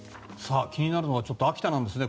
気になるのは秋田なんですね。